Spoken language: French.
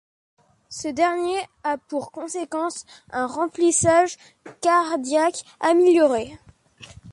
Ce dernier a pour conséquence un remplissage cardiaque amélioré.